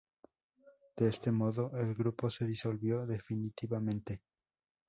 De este modo, el grupo se disolvió definitivamente.